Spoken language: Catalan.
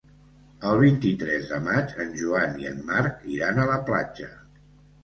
El vint-i-tres de maig en Joan i en Marc iran a la platja.